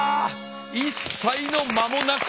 一切の間もなく！